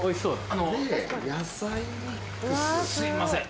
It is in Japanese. あのすいません。